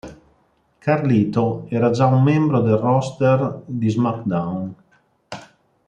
Carlito, che era già un membro del roster di "SmackDown!